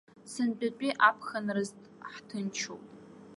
Сынтәатәи аԥхынраз ҳҭынчуп.